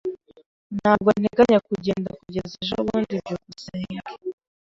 Ntabwo nteganya kugenda kugeza ejobundi. byukusenge